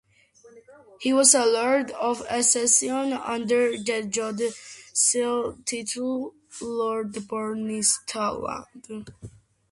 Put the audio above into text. He was a Lord of Session under the judicial title Lord Burntisland.